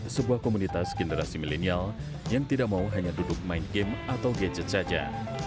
sebuah komunitas generasi milenial yang tidak mau hanya duduk main game atau gadget saja